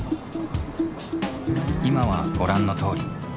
今はご覧のとおり。